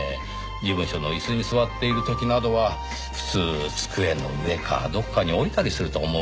事務所の椅子に座っている時などは普通机の上かどこかに置いたりすると思うのですがねぇ。